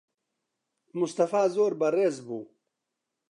موستەفا زۆر بەڕێز بوو.